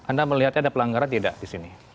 anda melihatnya ada pelanggaran tidak di sini